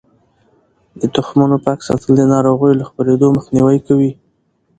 د تخمونو پاک ساتل د ناروغیو له خپریدو مخنیوی کوي.